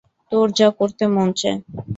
তোর যা করতে মন চায়।